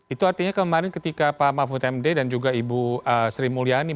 itu artinya kemarin ketika pak mahfud md dan juga ibu sri mulyani